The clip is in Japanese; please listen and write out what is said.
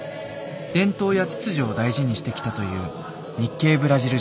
伝統や秩序を大事にしてきたという日系ブラジル人。